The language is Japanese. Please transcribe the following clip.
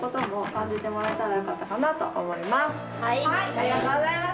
ありがとうございます。